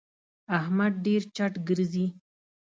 احمد ډېر چټ ګرځي.